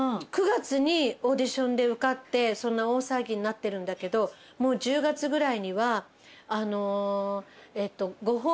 ９月にオーディションで受かって大騒ぎになってるんだけどもう１０月ぐらいには。